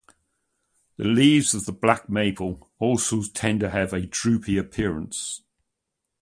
The leaves of the black maple also tend to have a "droopy" appearance.